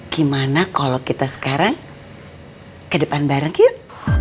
gimana kalau kita sekarang ke depan bareng yuk